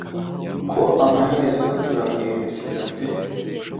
Ko amaherezo turaguhindukirira pe